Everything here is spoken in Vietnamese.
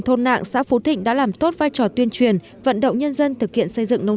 thôn nạng xã phú thịnh đã làm tốt vai trò tuyên truyền vận động nhân dân thực hiện xây dựng nông